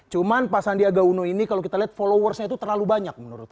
cuman pak sandiaga uno ini kalau kita lihat followersnya itu terlalu banyak menurut